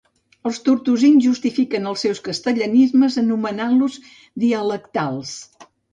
Els tortosins justifiquen els seus castellanismes anomenant-los "dialectals".